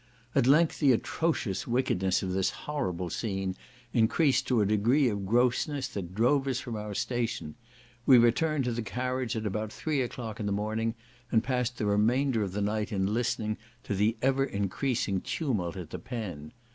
At length the atrocious wickedness of this horrible scene increased to a degree of grossness, that drove us from our station; we returned to the carriage at about three o'clock in the morning, and passed the remainder of the night in listening to the ever increasing tumult at the pen.